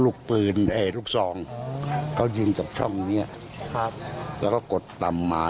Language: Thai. ลูกปืนลูกซองเขายืนจากช่องนี้แล้วก็กดตำมา